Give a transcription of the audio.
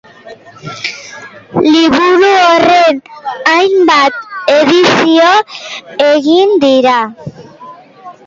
Liburu horren hainbat edizio egin dira.